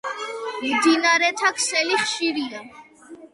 მდინარეთა ქსელი ხშირია.